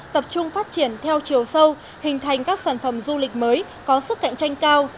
tập trung phát triển theo chiều sâu hình thành các sản phẩm du lịch mới có sức cạnh tranh cao